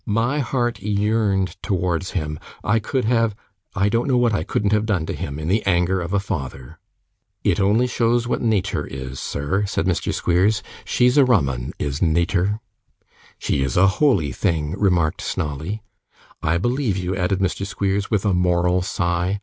My heart yearned towards him. I could have I don't know what I couldn't have done to him in the anger of a father.' 'It only shows what Natur is, sir,' said Mr. Squeers. 'She's rum 'un, is Natur.' 'She is a holy thing, sir,' remarked Snawley. 'I believe you,' added Mr. Squeers, with a moral sigh.